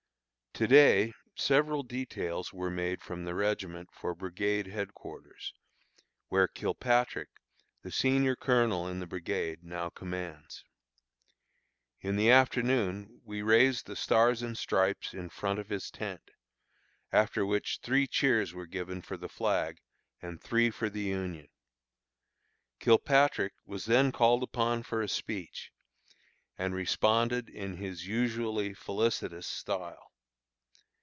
To day several details were made from the regiment for brigade headquarters, where Kilpatrick, the senior colonel in the brigade, now commands. In the afternoon we raised the "stars and stripes" in front of his tent, after which three cheers were given for the flag and three for the Union. Kilpatrick was then called upon for a speech, and responded in his usually felicitous style.